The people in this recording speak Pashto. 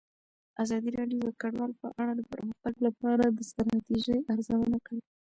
ازادي راډیو د کډوال په اړه د پرمختګ لپاره د ستراتیژۍ ارزونه کړې.